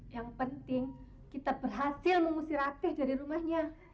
yang penting kita berhasil mengusir atih dari rumahnya